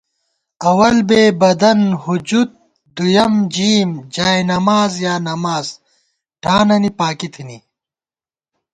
اوَل بے، بدن ہجوت، دُویَم جیم، جائےنماز یا نماز ٹھاننی پاکی تھنی